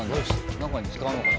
何かに使うのかな？